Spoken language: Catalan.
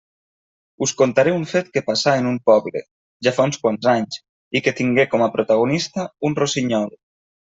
Us contaré un fet que passà en un poble, fa ja uns quants anys, i que tingué com a protagonista un rossinyol.